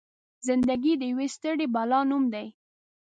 زنده ګي د يوې ستړې بلا نوم دی.